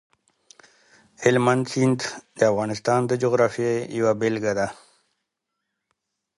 هلمند سیند د افغانستان د جغرافیې یوه بېلګه ده.